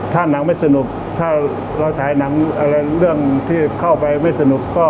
ถ้านักไม่สนุกถ้าเราถ่ายเรื่องที่เข้าไปไม่สนุก